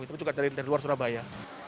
tapi juga dari luar surabaya